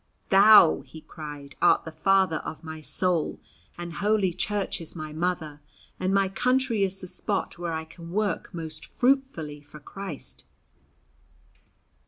"Thou," he cried, "art the father of my soul, and Holy Church is my mother, and my country is the spot where I can work most fruitfully for Christ."